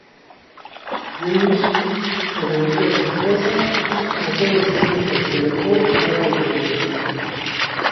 Rees, sobrevivió a su esposa y a todos sus hijos, y dejó varios nietos.